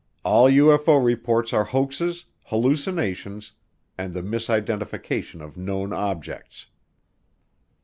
All UFO reports are hoaxes, hallucinations, and the misidentification of known objects.